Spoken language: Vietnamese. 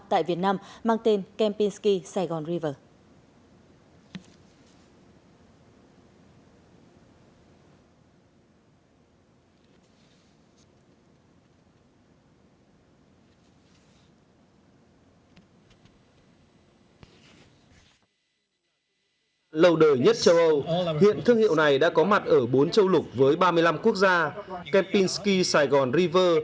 tại việt nam mang tên kempinski saigon river